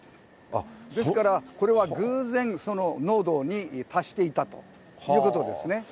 ですから、これは偶然、その濃度に達していたということですね。